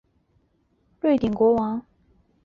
埃里克王朝的瑞典国王。